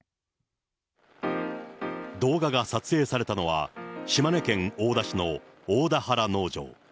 動画が撮影されたのは、島根県大田市の大田原農場。